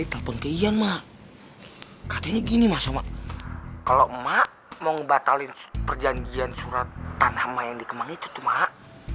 kalo emak mau ngebatalin perjanjian surat tanah emak yang dikembang itu tuh emak